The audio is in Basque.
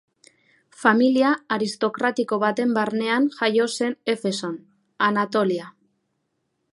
Familia aristokratiko baten barnean jaio zen Efeson, Anatolia.